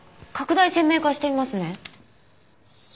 拡大鮮明化してみますね。